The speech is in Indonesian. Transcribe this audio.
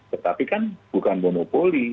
tetapi kan bukan monopoli